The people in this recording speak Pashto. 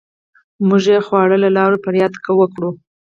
مونږ يې خواله لاړو فرياد يې وکړو